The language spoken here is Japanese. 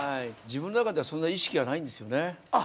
自分の中ではそんな意識がないんですよね。